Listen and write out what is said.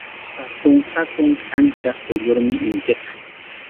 Hatun hatun kʼanchaq quyllurmi initiqa.